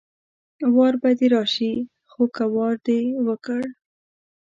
وار به دې راشي خو که وار دې وکړ